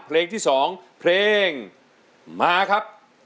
เพลงที่๒เพลงมาครับ